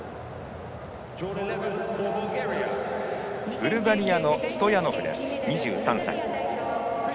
ブルガリアのストヤノフ、２３歳。